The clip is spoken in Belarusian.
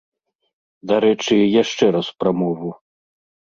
Дарэчы, яшчэ раз пра мову.